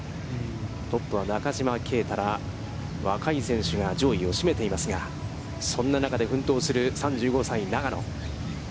トップは中島啓太ら若い選手が上位を占めていますが、そんな中で奮闘する３５歳、永野。